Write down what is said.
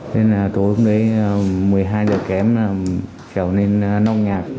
nên là tối hôm đấy một mươi hai giờ kém trở nên non nhạc